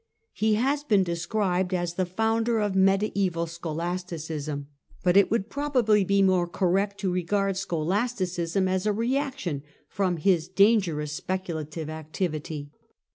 He haa been described as the founder of mediaeval scholasticism, but it would probably be more correct to regard scholas ticism as a reaction from his dangerous speculative activity.